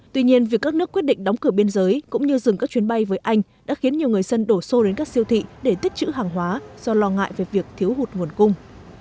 tuy nhiên việc các nước quyết định đóng cửa biên giới cũng như dừng các chuyến bay với anh đã khiến nhiều người dân đổ xô đến các siêu thị để tích chữ hàng hóa do lo ngại về việc thiếu hụt nguồn cung